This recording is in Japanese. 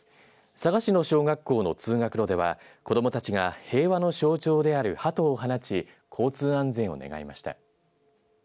佐賀市の小学校の通学路では子どもたちが平和の象徴である、はとを放ち交通安全を願いました。